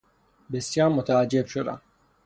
بسیار متعجب شدم.